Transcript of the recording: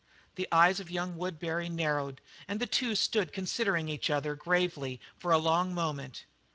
The eyes of young Woodbury narrowed and the two stood considering each other gravely for a long moment.